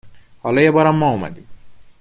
حالا یه بارم ما اومدیم